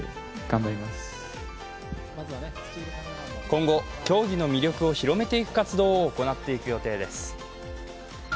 今後、競技の魅力を広めていく活動を行っていく予定です。